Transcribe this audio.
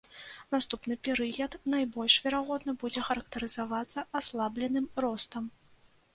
Наступны перыяд, найбольш верагодна, будзе характарызавацца аслабленым ростам.